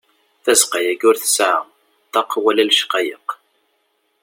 Tazeqqa-agi ur tesɛa ṭṭaq wala lecqayeq.